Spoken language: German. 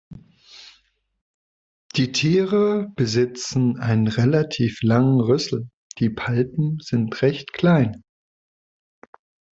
Die Tiere besitzen einen relativ langen Rüssel, die Palpen sind recht klein.